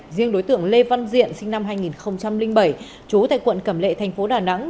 riêng đối tượng lê văn diện sinh năm hai nghìn bảy trú tại quận cẩm lệ thành phố đà nẵng